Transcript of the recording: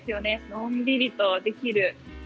のんびりとできる。